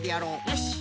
よし。